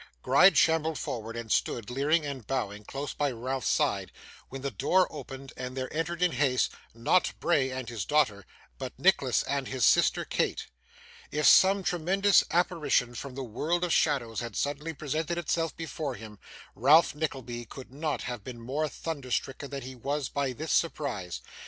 Gride shambled forward, and stood, leering and bowing, close by Ralph's side, when the door opened and there entered in haste not Bray and his daughter, but Nicholas and his sister Kate. If some tremendous apparition from the world of shadows had suddenly presented itself before him, Ralph Nickleby could not have been more thunder stricken than he was by this surprise.